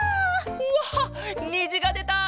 わっにじがでた！